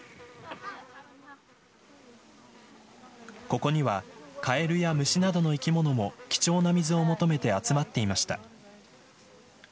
ここにはカエルや虫などの生き物も貴重な水を求めて集まっていました。